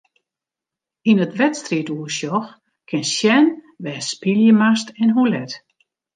Yn it wedstriidoersjoch kinst sjen wêr'tst spylje moatst en hoe let.